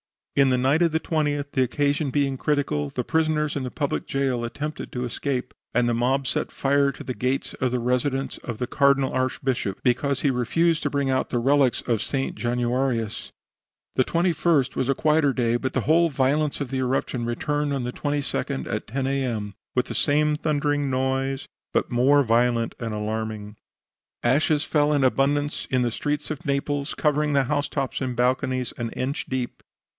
"In the night of the 20th, the occasion being critical, the prisoners in the public jail attempted to escape, and the mob set fire to the gates of the residence of the Cardinal Archbishop because he refused to bring out the relics of St. Januarius. The 21st was a quieter day, but the whole violence of the eruption returned on the 22d, at 10 A. M., with the same thundering noise, but more violent and alarming. Ashes fell in abundance in the streets of Naples, covering the housetops and balconies an inch deep.